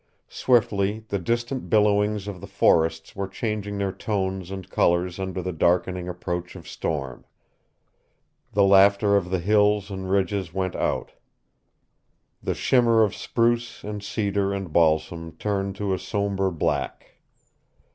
Swiftly the distant billowings of the forests were changing their tones and colors under the darkening approach of storm. The laughter of the hills and ridges went out. The shimmer of spruce and cedar and balsam turned to a somber black.